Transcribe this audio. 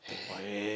へえ。